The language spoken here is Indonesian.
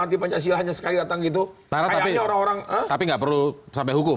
antipancasila hanya sekali datang gitu tapi orang orang tapi nggak perlu sampai hukum